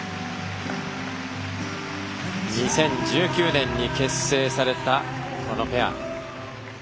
２０１９年に結成されたこのペア。